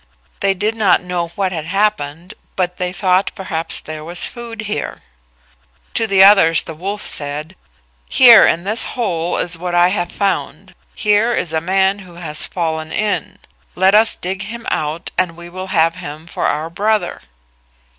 They did not know what had happened, but they thought perhaps there was food here. To the others the wolf said, "Here in this hole is what I have found. Here is a man who has fallen in. Let us dig him out and we will have him for our brother."